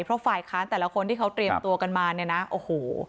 เพราะฝ่ายค้านแต่ละคนที่เขาเตรียมตัวกันมาเนี่ยนะโอ้โห